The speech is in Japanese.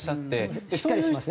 しっかりしてますね。